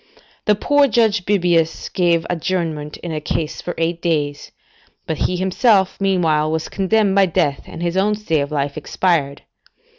The poor judge Bebius gave adjournment in a case for eight days; but he himself, meanwhile, was condemned by death, and his own stay of life expired.